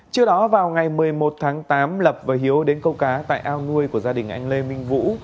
trước đó vào ngày một mươi một tháng tám lập và hiếu đến câu cá tại ao nuôi của gia đình anh lê minh vũ